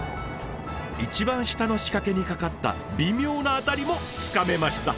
一番下の仕掛けに掛かった微妙なアタリもつかめました！